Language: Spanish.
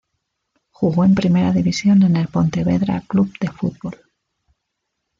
Jugó en Primera División en el Pontevedra Club de Fútbol.